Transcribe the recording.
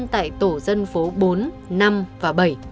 tổ dân tại tổ dân phố bốn năm và bảy